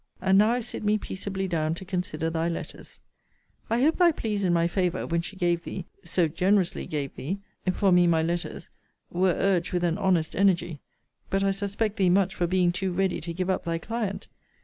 And now I sit me peaceably down to consider thy letters. I hope thy pleas in my favour,* when she gave thee, (so generously gave thee,) for me my letters, were urged with an honest energy. But I suspect thee much for being too ready to give up thy client.